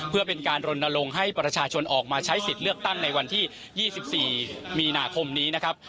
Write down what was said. เพื่อเป็นการรณรงค์ให้ประชาชนออกมาใช้สิทธิ์เลือกตั้งในวันที่๒๔มีนาคมนี้นะครับ